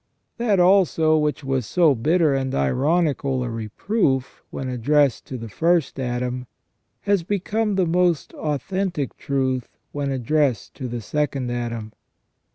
That also which was so bitter and ironical a reproof, when addressed to the first Adam, has become the most authentic truth when addressed to the second Adam.